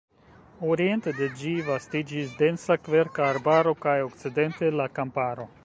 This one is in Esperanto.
Oriente de ĝi vastiĝis densa kverka arbaro kaj okcidente – la kamparo.